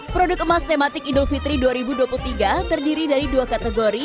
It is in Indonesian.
produk emas tematik idul fitri dua ribu dua puluh tiga terdiri dari dua kategori